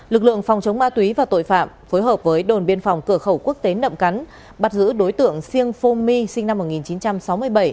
lực lượng phòng chống ma túy và tội phạm phối hợp với đồn biên phòng cửa khẩu quốc tế nậm cắn bắt giữ đối tượng siêng phong my sinh năm một nghìn chín trăm sáu mươi bảy